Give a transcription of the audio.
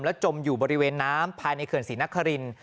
จมอยู่บริเวณน้ำภายในเขื่อนศรีนคริน